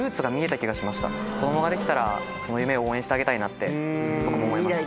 子供ができたらその夢を応援してあげたいなって僕も思います。